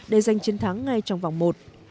để giành chiến thắng ngay trong vòng một